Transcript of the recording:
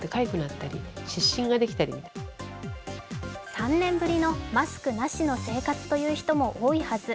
３年ぶりのマスクなしの生活という人も多いはず。